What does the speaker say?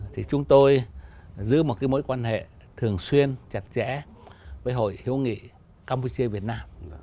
thì chúng tôi giữ một cái mối quan hệ thường xuyên chặt chẽ với hội hiếu nghị campuchia việt nam